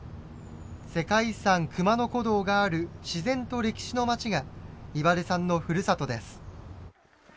世界遺産熊野古道がある自然と歴史の町が岩出さんのふるさとです。